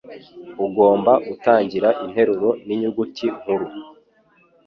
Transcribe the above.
Ugomba gutangira interuro ninyuguti nkuru.